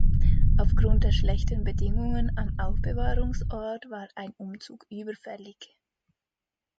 Auf Grund der schlechten Bedingungen am Aufbewahrungsort war ein Umzug überfällig.